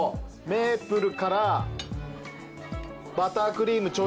メープルからバタークリームちょいづけの。